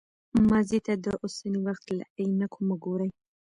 ماضي ته د اوسني وخت له عینکو مه ګورئ.